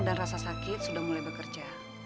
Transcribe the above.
dan rasa sakit sudah mulai bekerja